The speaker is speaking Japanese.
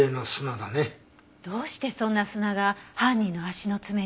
どうしてそんな砂が犯人の足の爪に。